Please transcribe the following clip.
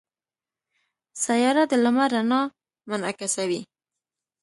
سیاره د لمر رڼا منعکسوي.